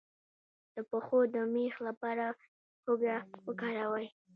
د پښو د میخ لپاره هوږه وکاروئ